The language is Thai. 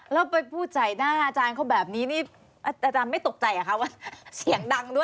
แล้วไปพูดใส่หน้าอาจารย์เขาแบบนี้นี่อาจารย์ไม่ตกใจเหรอคะว่าเสียงดังด้วย